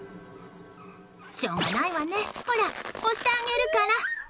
しょうがないわねほら、押してあげるから。